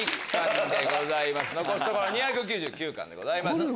残すところ２９９巻でございます。